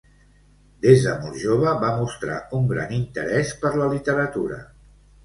Des de molt jove, va mostrar un gran interès per la literatura.